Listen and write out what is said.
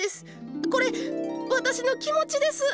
これ私の気持ちです。